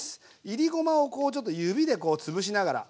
いりごまをこうちょっと指で潰しながら。